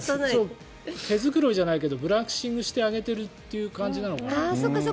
だから、毛繕いじゃないけどブラッシングしてあげているという感じなのかな。